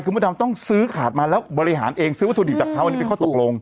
คือมดดำต้องซื้อขาดมาแล้วบริหารเองซื้อวัตถุดิบจากเขาอันนี้เป็นข้อตกลง